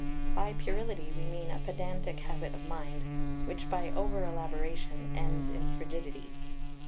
By puerility we mean a pedantic habit of mind, which by over elaboration ends in frigidity.